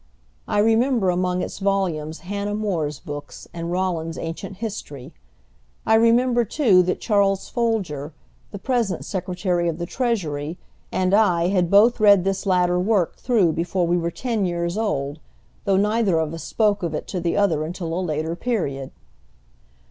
I remember among its volumes Hannah More's books and Rollin's Ancient History. I remember too that Charles Folger, the present Secretary of the Treasury, and I had both read this latter work through before we were ten years old, though neither of us spoke of it to the other until a later period."